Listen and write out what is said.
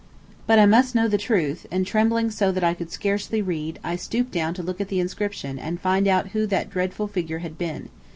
But I must know the truth, and trembling so that I could scarcely read, I stooped down to look at the inscription and find out who that dreadful figure had been.